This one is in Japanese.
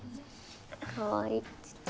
かわいい。